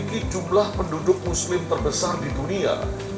memiliki jumlah penduduk muslim terbesar di dunia